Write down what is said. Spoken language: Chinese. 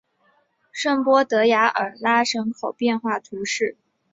圣波德雅尔拉人口变化图示